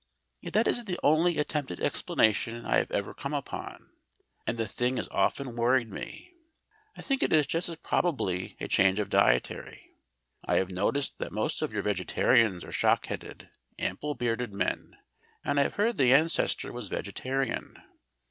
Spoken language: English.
Yet that is the only attempted explanation I have ever come upon, and the thing has often worried me. I think it is just as probably a change in dietary. I have noticed that most of your vegetarians are shock headed, ample bearded men, and I have heard the Ancestor was vegetarian.